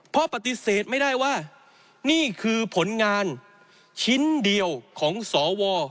เพราะปฏิเสธไม่ได้ว่านี่คือผลงานชิ้นเดียวของสว